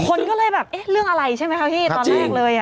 คนก็เลยแบบเอ๊ะเรื่องอะไรใช่ไหมคะพี่ตอนแรกเลย